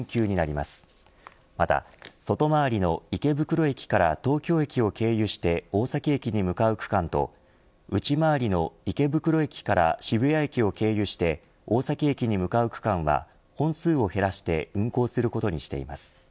また外回りの池袋駅から東京駅を経由して大崎駅に向かう区間と内回りの池袋駅から渋谷駅を経由して大崎駅に向かう区間は本数を減らして運行することにしています。